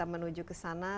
untuk mement aikch hotels itu